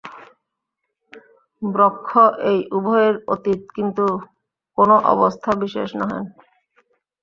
ব্রহ্ম এই উভয়ের অতীত, কিন্তু কোন অবস্থাবিশেষ নহেন।